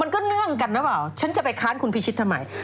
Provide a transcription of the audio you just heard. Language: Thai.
ก็เนื่องกันหรือเปล่าฉันจะไปค้านคุณพิชิตทำไม